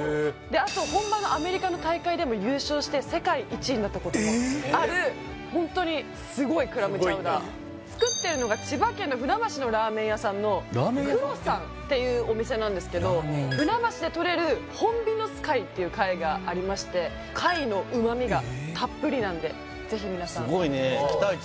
あと本場のアメリカの大会でも優勝して世界１位になったこともあるホントにすごいクラムチャウダー作ってるのが千葉県の船橋のラーメン屋さんの９６３っていうお店なんですけど船橋でとれるホンビノス貝っていう貝がありまして貝のうまみがたっぷりなんでぜひ皆さんすごいね期待値